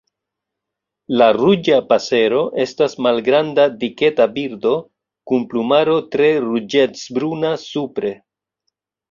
La Ruĝa pasero estas malgranda diketa birdo, kun plumaro tre ruĝecbruna supre.